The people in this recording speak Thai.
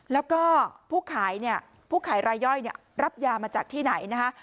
แล้วก็ผู้ขายเนี่ยผู้ขายรายย่อยรับยามาจากที่ไหนนะคะ